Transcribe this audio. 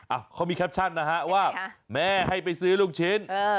เขามีแคปชั่นนะฮะว่าแม่ให้ไปซื้อลูกชิ้น